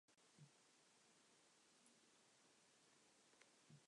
Insofar as national events are decided, the power elite are those who decide them.